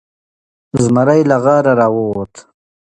زمری له غاره راووته.